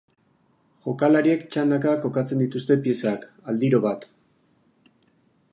Jokalariek txandaka kokatzen dituzte piezak, aldiro bat.